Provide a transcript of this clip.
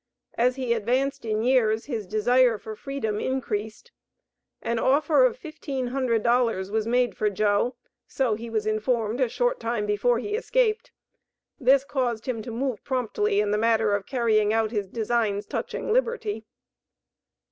As he advanced in years his desire for freedom increased. An offer of fifteen hundred dollars was made for Joe, so he was informed a short time before he escaped; this caused him to move promptly in the matter of carrying out his designs touching liberty.